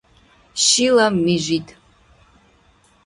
Шила мижит